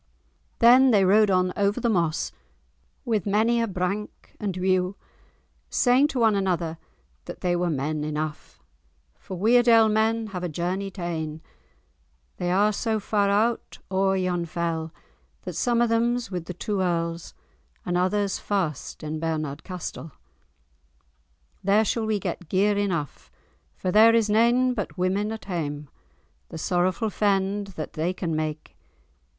Then they rode on over the moss, "with many a brank and whew," saying to one another that they were men enough, "For Weardale men have a journey ta'en, They are so far out o'er yon fell, That some of them's with the two earls, And others fast in Bernard castell. There we shall get gear enough, For there is nane but women at hame; The sorrowful fend that they can make.